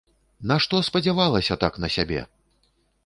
Нашто спадзявалася так на сябе!